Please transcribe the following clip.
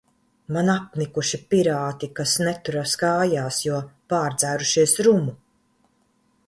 Man apnikuši pirāti, kas neturas kājās, jo pārdzērušies rumu!